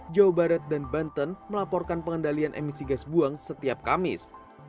jawa barat dan banten melaporkan pengendalian emisi gas buang setiap kamis